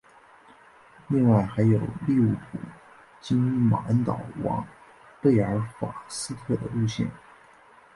另外还有利物浦经马恩岛往贝尔法斯特的路线。